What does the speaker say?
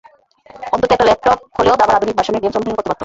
অন্তত একটা ল্যাপটপ হলেও দাবার আধুনিক ভার্সনের গেমস অনুশীলন করতে পারত।